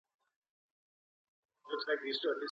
د ژوند بریا یوازي لایقو ته نه سي سپارل کېدلای.